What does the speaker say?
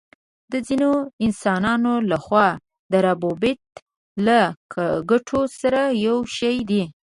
دا د ځینو انسانانو له خوا د ربوبیت له ګټلو سره یو شی دی.